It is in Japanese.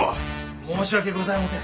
申し訳ございません！